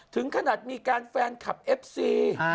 ถึงขนาดมีการแฟนคลับเอฟซี